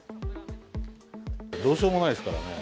どうしようもないですからね。